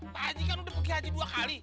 pak haji kan udah pergi haji dua kali